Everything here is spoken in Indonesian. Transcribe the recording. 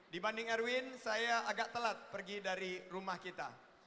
dibanding erwin saya agak telat pergi dari rumah kita